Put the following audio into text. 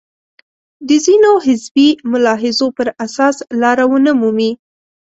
د ځینو حزبي ملاحظو پر اساس لاره ونه مومي.